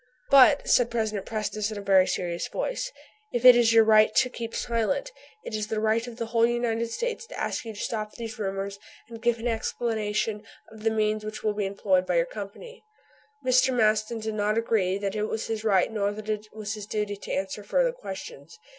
"But," said President Prestice in a very serious voice, "if it is your right to keep silent, it is the right of the whole United States to ask you to stop these rumors and give an explanation of the means which will be employed by your Company," Mr. Maston did not agree that it was his right nor that it was his duty to answer further questions.